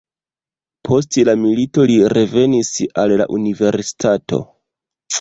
Post la milito li revenis al la universitato.